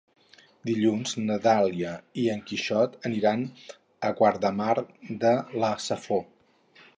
Dilluns na Dàlia i en Quixot aniran a Guardamar de la Safor.